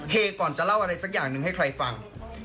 ก่อนจะเล่าอะไรสักอย่างหนึ่งให้ใครฟัง